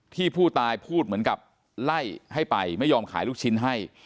ที่ผู้ตายพูดเหมือนกับไล่ให้ไปไม่ยอมขายลูกชิ้นให้